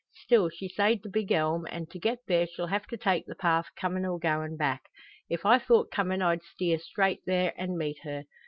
Still, she sayed the big elm, an' to get there she'll have to take the path comin' or goin' back. If I thought comin' I'd steer straight there an' meet her.